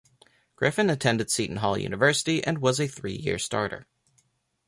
Griffin attended Seton Hall University and was a three-year starter.